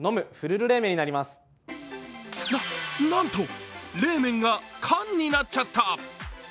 な、なんと、冷麺が缶になっちゃった。